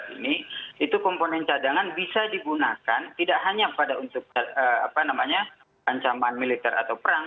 dua ribu sembilan belas ini itu komponen cadangan bisa digunakan tidak hanya pada untuk ancaman militer atau perang